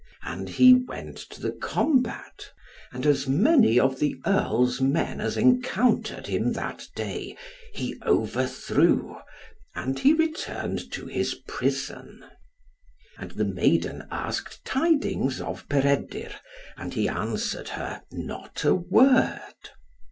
And he went to the combat; and as many of the Earl's men as encountered him that day, he overthrew; and he returned to his prison. And the maiden asked tidings of Peredur, and he answered her not a word.